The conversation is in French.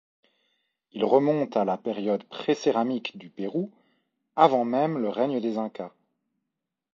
Il remonte à la période précéramique du Pérou, avant même le règne des Incas.